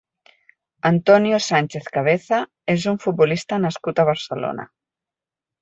Antonio Sánchez Cabeza és un futbolista nascut a Barcelona.